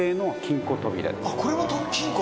あっこれが金庫。